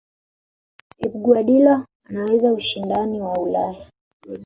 pep guardiola anaweza ushindani wa ulaya